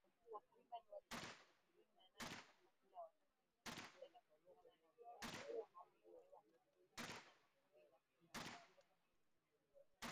Takriban watu elfu ishirini na nane hufa kila mwaka nchini Uganda kutokana na uchafuzi wa hali ya hewa kulingana na kundi la kimazingira nchini humo